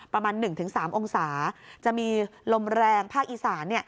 ประมาณ๑๓องศาจะมีลมแรงภาคอีสาน